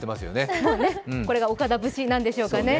そうね、これが岡田節なんでしょうかね。